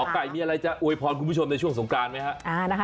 ไก่มีอะไรจะอวยพรคุณผู้ชมในช่วงสงกรานไหมฮะ